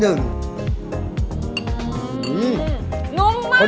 อื้อนุ่มมาก